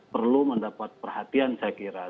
perlu mendapat perhatian saya kira